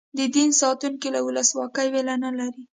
د دین ساتونکي له ولسواکۍ وېره نه لري.